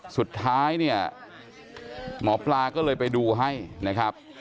สุดท้ายเนี่ยหมอปลาก็เลยไปดูให้นะครับ